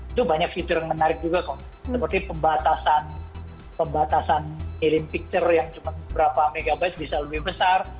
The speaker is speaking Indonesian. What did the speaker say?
itu banyak fitur yang menarik juga seperti pembatasan ilim picture yang cuma beberapa megabyte bisa lebih besar